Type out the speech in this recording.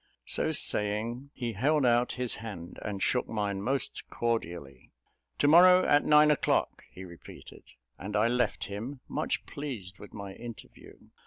So saying, he held out his hand, and shook mine most cordially. "To morrow, at nine o'clock," he repeated; and I left him, much pleased with my interview.